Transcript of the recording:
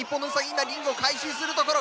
今リングを回収するところ。